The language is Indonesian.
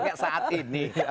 kayak saat ini